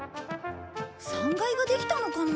３階ができたのかな？